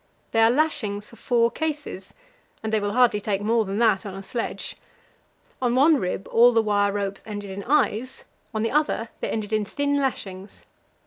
They are lashings for four cases, and they will hardly take more than that on a sledge. On one rib all the wire ropes ended in eyes; on the other they ended in thin lashings.